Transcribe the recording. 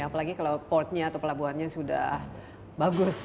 apalagi kalau port nya atau pelabuhan nya sudah bagus